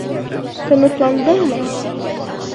Тынысландыңмы?